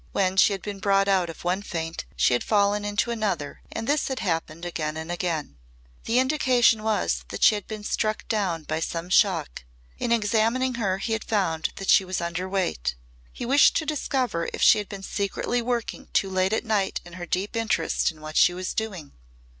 When she had been brought out of one faint she had fallen into another and this had happened again and again. The indication was that she had been struck down by some shock. In examining her he had found that she was underweight. He wished to discover if she had been secretly working too late at night in her deep interest in what she was doing.